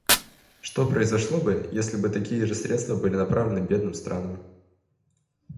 Что произошло бы, если бы такие же средства были направлены бедным странам?